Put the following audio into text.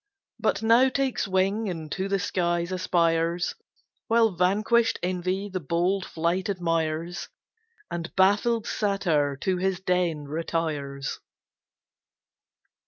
But now takes Wing, and to the Skies aspires; While Vanquish'd Envy the bold Flight admires, And baffled Satyr to his Den retires.